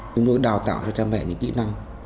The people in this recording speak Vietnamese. chúng tôi đào tạo cho cha mẹ những kỹ năng